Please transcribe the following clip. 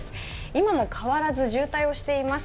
今も変わらず渋滞をしています。